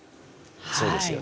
そうですよね。